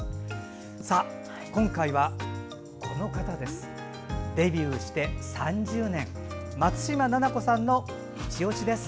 今回は、デビューして３０年松嶋菜々子さんのいちオシです。